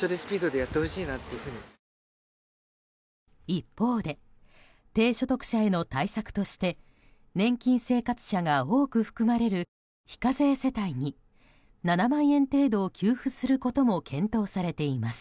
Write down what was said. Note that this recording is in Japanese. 一方で低所得者への対策として年金生活者が多く含まれる非課税世帯に７万円程度を給付することも検討されています。